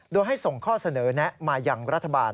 โดยให้ส่งข้อเสนอแนะมาอย่างรัฐบาล